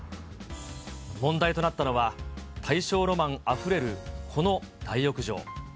問題となったのは、大正ロマンあふれるこの大浴場。